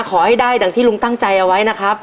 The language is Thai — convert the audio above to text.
ขอให้ได้ดังที่ลุงตั้งใจเอาไว้นะครับ